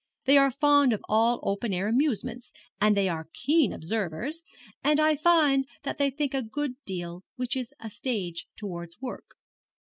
They are fond of all open air amusements, and they are keen observers, and I find that they think a good deal, which is a stage towards work.'